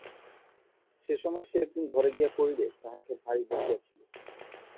সে সময়ে সে একদিন ঘরে গিয়া পড়িলে তাহাকে ভারী বকিয়াছিল।